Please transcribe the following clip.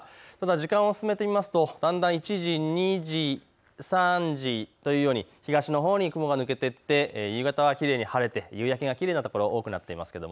時間を進めてみますとだんだん１時、２時、３時というように東のほうに雲が抜けていって夕方はきれいに晴れて夕焼けがきれいだったところ多くなっています。